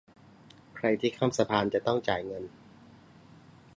ใครที่ข้ามสะพานจะต้องจ่ายเงิน